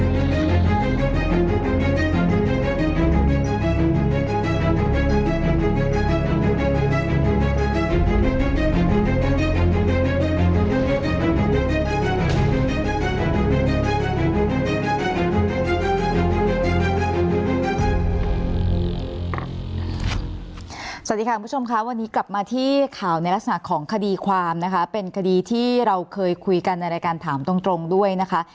สวัสดีค่ะคุณผู้ชมค่ะวันนี้กลับมาที่ข่าวในลักษณะของคดีความนะคะเป็นคดีที่เราเคยคุยกันในรายการถามตรงด้วยนะคะ